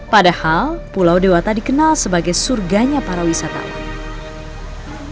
padahal pulau dewata dikenal sebagai surganya para wisatawan